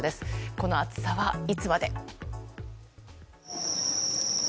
この暑さはいつまで？